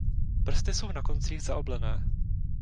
Prsty jsou na koncích zaoblené.